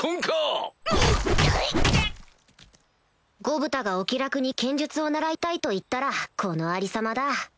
ゴブタがお気楽に剣術を習いたいと言ったらこのありさまだ